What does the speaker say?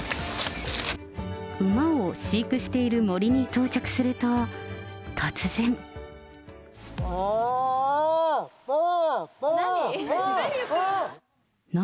馬を飼育している森に到着すると、突然。何？